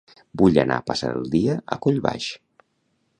Vull anar a passar el dia a Collbaix.